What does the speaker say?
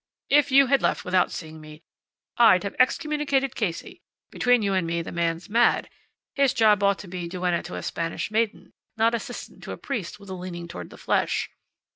"If you had left without seeing me I'd have excommunicated Casey. Between you and me the man's mad. His job ought to be duenna to a Spanish maiden, not assistant to a priest with a leaning toward the flesh."